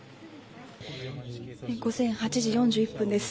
午前８時４１分です。